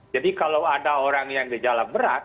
jadi kalau ada orang yang gejala berat